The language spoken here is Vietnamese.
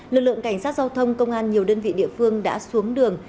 lực lượng cảnh sát giao thông công an nhiều đơn vị địa phương đã xuống đường